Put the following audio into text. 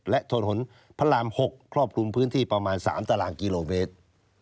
และถนนพระราม๖ครอบคลุมพื้นที่ประมาณ๓ตารางกิโลเมตร